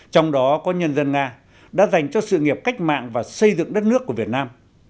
trong đó có nhân dân nga đã dành cho sự nghiệp cách mạng và xây dựng đất nước của việt nam